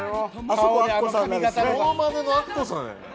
モノマネのアッコさんやん。